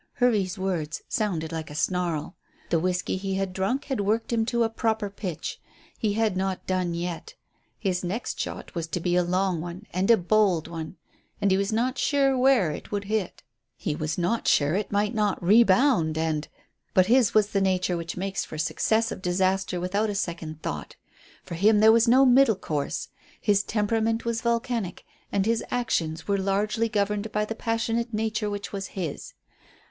Hervey's words sounded like a snarl. The whisky he had drunk had worked him to a proper pitch. He had not done yet. His next shot was to be a long one and a bold one, and he was not sure where it would hit. He was not sure that it might not rebound and but his was the nature which makes for success or disaster without a second thought. For him there was no middle course. His temperament was volcanic and his actions were largely governed by the passionate nature which was his.